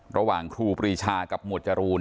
ระหว่างครูปรีชากับโมจรูน